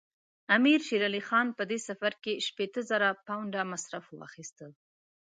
امیر شېر علي خان په دې سفر کې شپېته زره پونډه مرسته واخیسته.